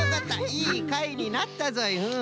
いいかいになったぞい。